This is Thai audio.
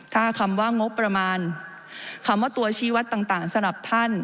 ถ้าคำว่างบประมาณคำว่าตัวชี้วัดต่างสำหรับท่าน